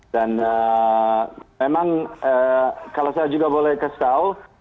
dan memang kalau saya juga boleh kasih tahu